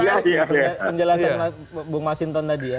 saya ingin menjelaskan bang mas hinton tadi ya